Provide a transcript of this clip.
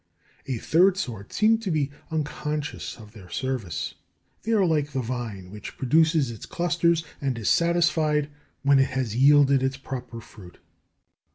A third sort seem to be unconscious of their service. They are like the vine, which produces its clusters and is satisfied when it has yielded its proper fruit.